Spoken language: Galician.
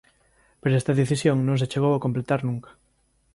Pero esta decisión non se chegou a completar nunca.